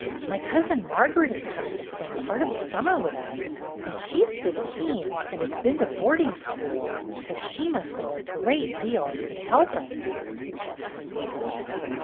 "My cousin Margaret is coming to spend part of the summer with us, and she's fifteen and has been to boarding school, so she must know a great deal and could help us," sug gested Phyllis.